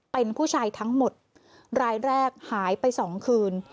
เป็นผู้ชายทั้งหมดรายแรกหายไป๒คืน